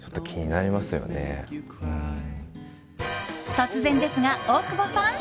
突然ですが、大久保さん。